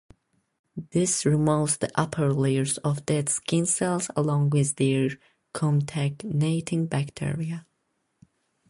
This removes the upper layers of dead skin cells along with their contaminating bacteria.